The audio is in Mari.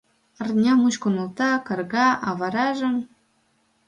Арня мучко нулта, карга, а варажым...